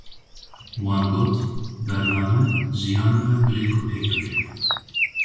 Wan got, bername jiyana me bi rêk û pêk dike.